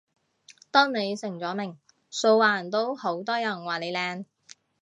當你成咗名，素顏都好多人話你靚